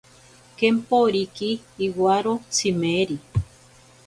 Kemporiki iwaro tsimeri.